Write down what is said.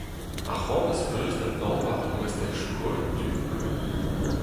Ha c'hoant az peus da dañva ma gwastell chokolad du ?